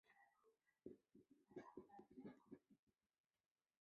立碗藓为葫芦藓科立碗藓属下的一个种。